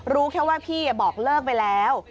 รู้แค่ว่าพี่บอกเลิกไปแล้ว